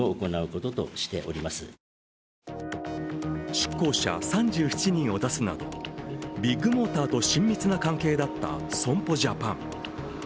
出向者３７人を出すなどビッグモーターと親密な関係だった損保ジャパン。